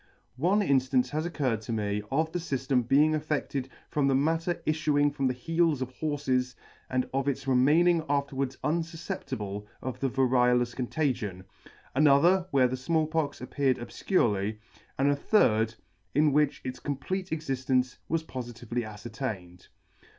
ONE inftance has occurred to me of the fyftem being affe&ed from the matter ilfuing from the heels of horfes, and of its re maining afterwards unfufceptible of the variolous contagion ; another, where the Small Pox appeared obfcurelyj and a third, in which its complete exigence was pofitively afcertained.